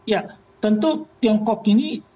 ya tentu tiongkok ini